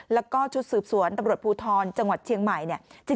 แล้วก็ชุดสืบสวนตำรวจภูทรจังหวัดเชียงใหม่เนี่ย